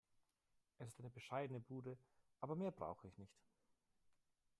Es ist eine bescheidene Bude, aber mehr brauche ich nicht.